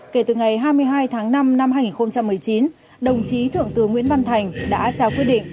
kể từ ngày hai mươi hai tháng năm năm hai nghìn một mươi chín đồng chí thượng tướng nguyễn văn thành đã trao quyết định